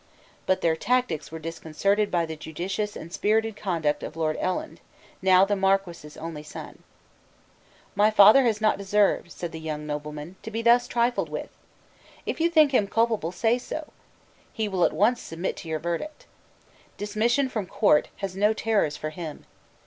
But their tactics were disconcerted by the judicious and spirited conduct of Lord Eland, now the Marquess's only son. "My father has not deserved," said the young nobleman, "to be thus trifled with. If you think him culpable, say so. He will at once submit to your verdict. Dismission from Court has no terrors for him.